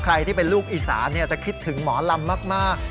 ที่เป็นลูกอีสานจะคิดถึงหมอลำมาก